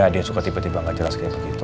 dia suka tiba tiba gak jelas kayak begitu